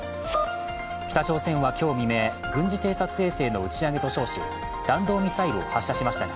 北朝鮮は今日未明、軍事衛星の打ち上げと称し、弾道ミサイルを発射しました。